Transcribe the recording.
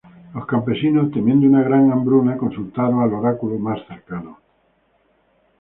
Los campesinos, temiendo una gran hambruna, consultaron al oráculo más cercano.